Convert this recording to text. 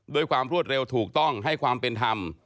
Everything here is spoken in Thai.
ด้วยความรวดเร็วถูกต้องให้ความเป็นธรรม